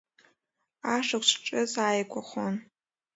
Ашықәс ҿыц ааигәахон.